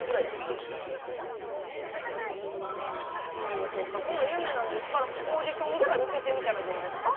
でもせっかくの夢なんですからオーディションぐらい受けてみたらどうですか？